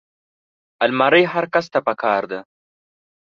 الماري هر کس ته پکار ده